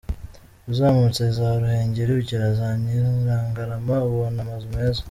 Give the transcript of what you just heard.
Uzamutse za Ruhengeri ugera za Nyirangarama ubona amazu meza .